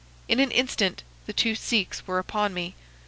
In an instant the two Sikhs were upon me.